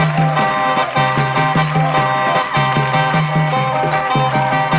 ดีดีดีดี